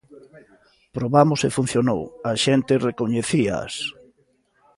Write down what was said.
Probamos e funcionou: a xente recoñecíaas.